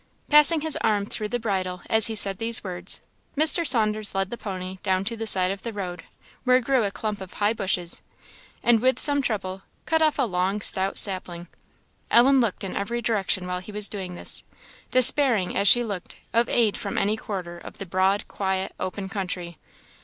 Passing his arm through the bridle as he said these words, Mr. Saunders led the pony down to the side of the road where grew a clump of high bushes, and, with some trouble, cut off a long, stout sapling. Ellen looked in every direction while he was doing this, despairing, as she looked, of aid from any quarter of the broad, quiet, open country.